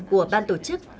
của ban tổ chức